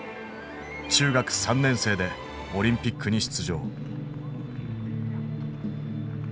中学３年生でオリンピックに出場。